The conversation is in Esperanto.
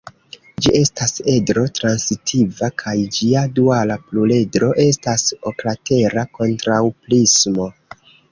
Ĝi estas edro-transitiva kaj ĝia duala pluredro estas oklatera kontraŭprismo.